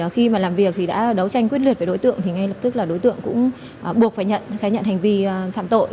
khi mà làm việc thì đã đấu tranh quyết liệt với đối tượng thì ngay lập tức là đối tượng cũng buộc phải nhận khai nhận hành vi phạm tội